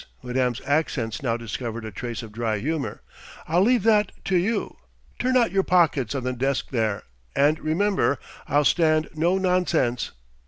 Madame's accents now discovered a trace of dry humour. "I'll leave that to you. Turn out your pockets on the desk there and, remember, I'll stand no nonsense!"